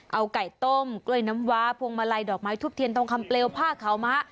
เอาไก่ต้มกล้วยน้ำว้าพวงมาลัยดอกไม้ทุบเทียนทองคำเปลวผ้าขาวมะ